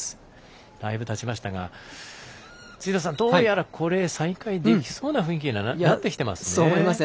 だいぶたちましたが辻野さん、どうやら再開できそうな雰囲気になってきてますね。